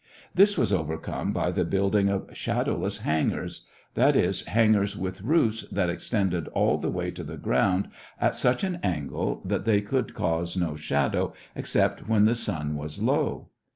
This was overcome by the building of shadowless hangars; that is, hangars with roofs that extended all the way to the ground at such an angle that they would cause no shadow except when the sun was low.